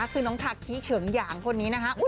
คือน้องทาคิเฉิงหยางคนนี้นะคะ